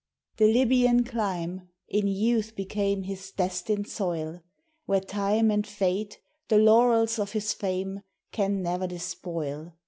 The Libyan clime, in youth became His destined soil; Where Time and Fate, the laurels of his fame, Can ne'er despoil.